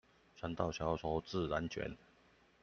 船到橋頭自然捲